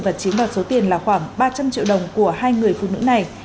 và chiếm đoạt số tiền là khoảng ba trăm linh triệu đồng của hai người phụ nữ này